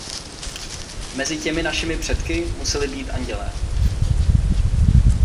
Mezi těmi našimi předky museli být andělé.